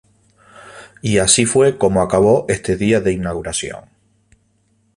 Y así fue como acabó este día de inauguración.